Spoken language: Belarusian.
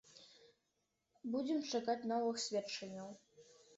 Будзем чакаць новых сведчанняў.